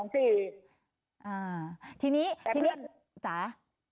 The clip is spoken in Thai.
พี่ชายอยู่๑๒๔